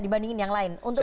dibandingin yang lain untuk